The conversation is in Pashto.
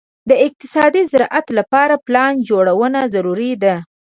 د اقتصادي زراعت لپاره پلان جوړونه ضروري ده.